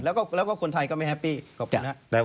แล้วก็คนไทยก็ไม่แฮปปี้ขอบคุณครับ